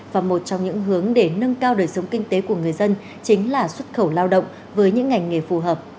và một trong những hướng để nâng cao đời sống kinh tế của người dân chính là xuất khẩu lao động với những ngành nghề phù hợp